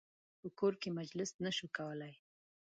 په کور کې مجلس نه شو کولای.